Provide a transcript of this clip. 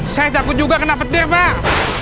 saya takut juga kena petir pak